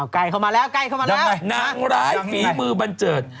อ๋อก่ายเข้ามาแล้ว